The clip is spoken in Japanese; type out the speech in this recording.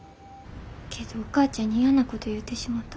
けどお母ちゃんに嫌なこと言うてしもた。